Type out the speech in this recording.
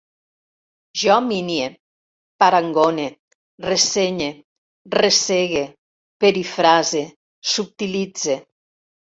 Jo minie, parangone, ressenye, ressegue, perifrase, subtilitze